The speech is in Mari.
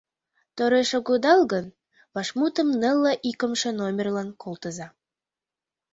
Тореш огыдал гын, вашмутым нылле икымше номерлан колтыза».